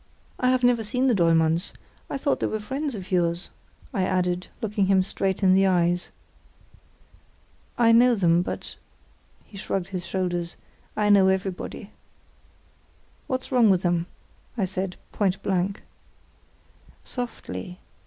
"I have never seen the Dollmanns; I thought they were friends of yours," I added, looking him straight in the eyes. "I know them, but"—he shrugged his shoulders—"I know everybody." "What's wrong with them?" I said, point blank. "Softly!